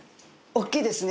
大っきいですね。